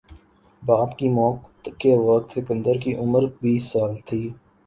باپ کی موت کے وقت سکندر کی عمر بیس سال تھی